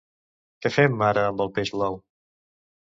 Què fem ara amb el peix blau?